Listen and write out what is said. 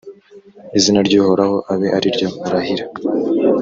izina ry’uhoraho abe ari ryo urahira.